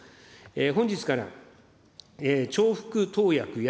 本日から重複投薬や、